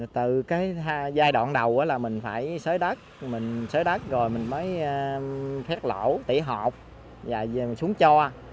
từ giai đoạn đầu là mình phải xới đất xới đất rồi mình mới phét lỗ tỉ hộp rồi mình xuống cho